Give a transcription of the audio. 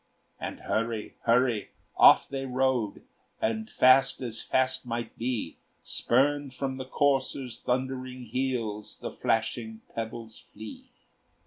And, hurry! hurry! off they rode, And fast as fast might be; Spurned from the courser's thundering heels The flashing pebbles flee.